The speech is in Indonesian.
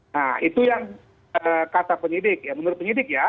nah itu yang kata penyidik ya menurut penyidik ya